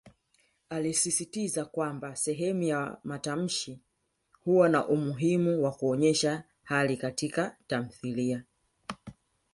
Alisisitiza kwamba sehemu ya matamshi huwa na umuhimu wa kuonyesha hali Kati ka tamthilia.